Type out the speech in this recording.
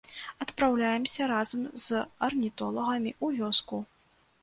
Адпраўляемся разам з арнітолагамі ў вёску.